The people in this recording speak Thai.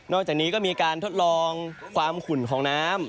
อกจากนี้ก็มีการทดลองความขุ่นของน้ำ